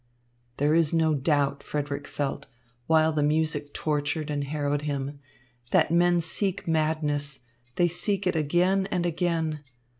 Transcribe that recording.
"There is no doubt," Frederick felt, while the music tortured and harrowed him, "that men seek madness, they seek it again and again.